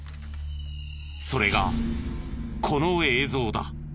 それがこの映像だ。